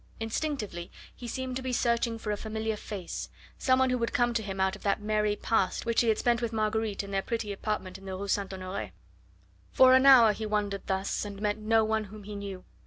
Instinctively he seemed to be searching for a familiar face, some one who would come to him out of that merry past which he had spent with Marguerite in their pretty apartment in the Rue St. Honore. For an hour he wandered thus and met no one whom he knew.